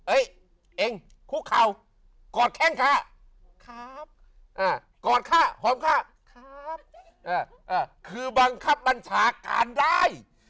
เองคุกเข่ากอดแข้งค่ะครับอ่ากอดค่ะหอมค่ะครับคือบังคับบัญชาการได้